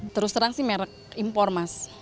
terus terang sih merek impor mas